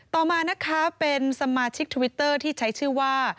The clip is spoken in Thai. ต่อมานะคะเป็นสมาชิกทวิตเตอร์ที่ใช้ชื่อว่า